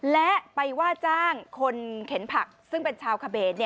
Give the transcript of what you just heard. และไปว่าจ้างคนเข็นผักซึ่งเป็นชาวเขน